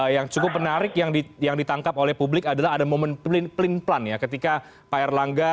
yang cukup menarik yang ditangkap oleh publik adalah ada momen pelin pelin pelan ya ketika pak erlangga